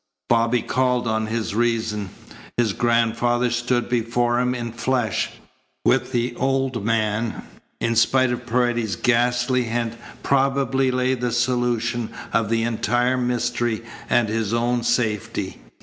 Bobby called on his reason. His grandfather stood before him in flesh. With the old man, in spite of Paredes's ghastly hint, probably lay the solution of the entire mystery and his own safety.